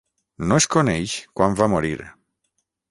No es coneix quan va morir.